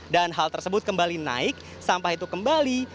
dan hal tersebut kembali naik sampah itu kembali